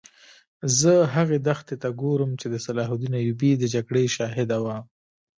زه هغې دښتې ته ګورم چې د صلاح الدین ایوبي د جګړې شاهده وه.